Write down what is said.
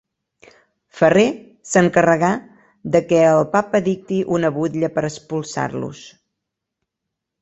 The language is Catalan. Ferrer s'encarregà de què el papa dicti una butlla per expulsar-los.